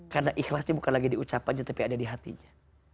karena ikhlasnya bukan lagi diucapkan saja tapi ada di hatinya